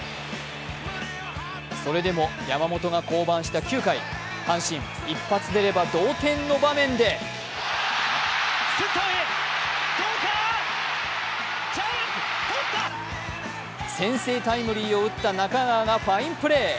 それでも山本が降板した９回阪神、一発出れば同点の場面で先制タイムリーを打った中川がファインプレー。